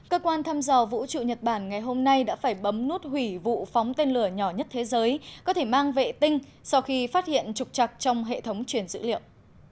cơ quan thăm dò vũ trụ nhật bản ngày hôm nay đã phải bấm nút hủy vụ phóng tên lửa nhỏ nhất thế giới có thể mang vệ tinh sau khi phát hiện trục chặt trong hệ thống truyền dữ liệu